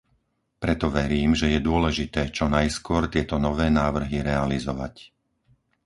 Preto verím, že je dôležité čo najskôr tieto nové návrhy realizovať.